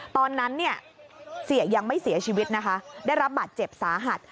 ตอนนั้นเนี่ยเสียยังไม่เสียชีวิตนะคะได้รับบาดเจ็บสาหัส